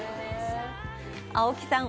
青木さん